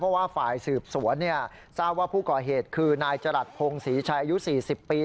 เพราะว่าฝ่ายสืบสวนทราบว่าผู้ก่อเหตุคือนายจรัสพงศรีชัยอายุ๔๐ปี